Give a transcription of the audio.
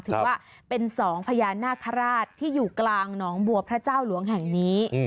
ถือว่าเป็นสองพญานาคาราชที่อยู่กลางหนองบัวพระเจ้าหลวงแห่งนี้